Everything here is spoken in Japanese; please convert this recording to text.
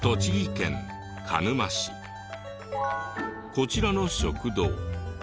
こちらの食堂。